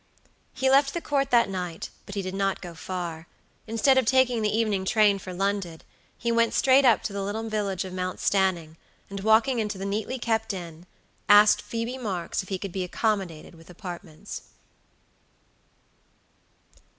He left the court that night, but he did not go far. Instead of taking the evening train for London, he went straight up to the little village of Mount Stanning, and walking into the neatly kept inn, asked Phoebe Marks if he could be accommodated with apartments.